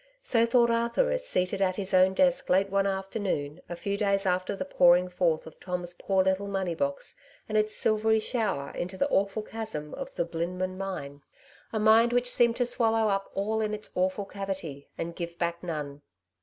So thought Arthur, as seated at his own desk late one afternoon a few days after the pouring forth of Tom's poor little money box, and its silvery shower, into the awful chasm of the '^Blinman^' mine, a mine which seemed to swallow up all in its awful cavity, and give back none.